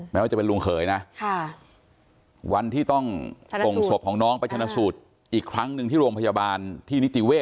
แม้ว่าจะเป็นลุงเขยนะวันที่ต้องส่งศพของน้องไปชนะสูตรอีกครั้งหนึ่งที่โรงพยาบาลที่นิติเวศ